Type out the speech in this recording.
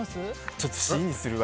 ちょっとＣにするわ。